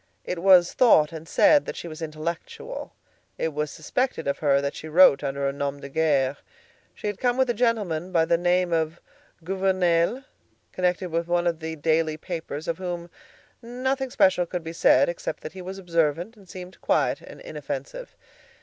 It was thought and said that she was intellectual; it was suspected of her that she wrote under a nom de guerre. She had come with a gentleman by the name of Gouvernail, connected with one of the daily papers, of whom nothing special could be said, except that he was observant and seemed quiet and inoffensive.